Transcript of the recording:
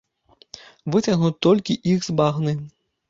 Выцягнуць толькі іх з багны.